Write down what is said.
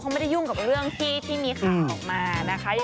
เขาไม่ได้ยุ่งกับเรื่องที่มีข่าวออกมานะคะ